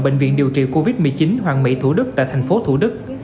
bệnh viện điều trị covid một mươi chín hoàng mỹ thủ đức tại thành phố thủ đức